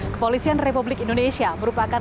kepolisian republik indonesia merupakan